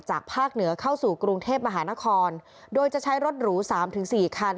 จากภาคเหนือเข้าสู่กรุงเทพมหานครโดยจะใช้รถหรู๓๔คัน